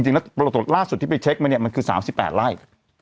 จริงแล้วปรากฏล่าสุดที่ไปเช็กมามันคือ๓๘ไร่